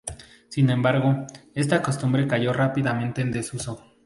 Sin embargo, esta costumbre cayó rápidamente en desuso.